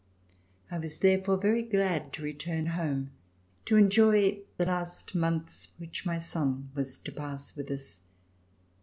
I was, therefore, very glad to return home to enjoy the last months which my son was to pass with us.